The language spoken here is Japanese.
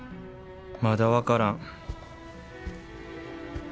まだ分からん。